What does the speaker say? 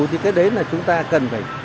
thì cái đấy là chúng ta cần phải